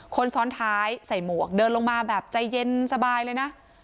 คนซ้อนท้ายใส่หมวกเดินลงมาแบบใจเย็นสบายเลยนะ